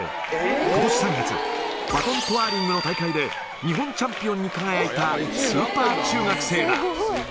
ことし３月、バトントワーリングの大会で日本チャンピオンに輝いたスーパー中学生だ。